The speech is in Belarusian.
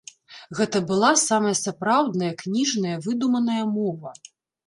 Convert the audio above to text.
Гэта была самая сапраўдная кніжная выдуманая мова.